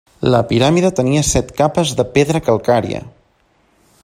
La piràmide tenia set capes de pedra calcària.